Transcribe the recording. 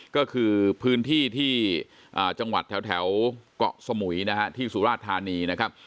ก็คือพื้นที่ที่จังหวัดแถวเกาะสมุยนะฮะที่สุราชธานีนะครับ